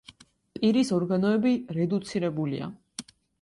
პირის ორგანოები რედუცირებულია.